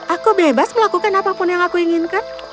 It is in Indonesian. aku bebas melakukan apapun yang aku inginkan